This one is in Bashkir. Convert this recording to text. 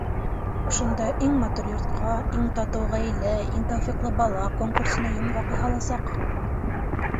Ошонда «Иң матур йорт»ҡа, «Иң татыу ғаилә», «Иң тәүфиҡле бала» конкурсына йомғаҡ яһаласаҡ.